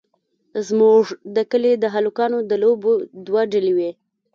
زموږ د کلي د هلکانو د لوبو دوه ډلې وې.